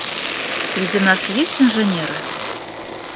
Среди нас есть инженеры?